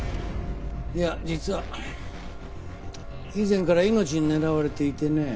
いや実は以前から命を狙われていてね。